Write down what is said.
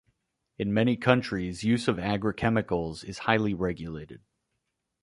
In many countries, use of agrichemicals is highly regulated.